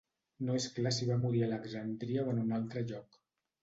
No és clar si va morir a Alexandria o en un altre lloc.